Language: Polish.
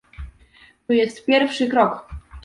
To jest pierwszy krok